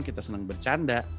kita senang bercanda